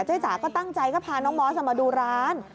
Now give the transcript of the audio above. จ๋าก็ตั้งใจก็พาน้องมอสมาดูร้าน